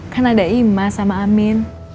kan ada ima sama amin